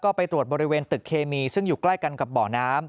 ก็ไปตรวจบริเวณตึกเคมีซึ่งอยู่ใกล้กันกับบ่อน้ำ